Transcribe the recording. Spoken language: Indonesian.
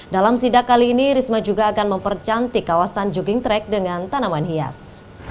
dalam sidak kali ini risma juga akan mempercantik kawasan jogging track dengan tanaman hias